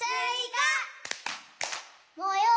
「もよう」。